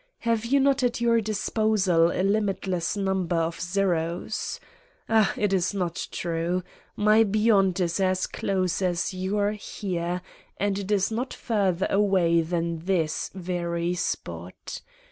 Have you not at your disposal a limitless number of zeros? Ah, it is not true. My "Beyond" is as close as your "Here" and is no further away than this very spot.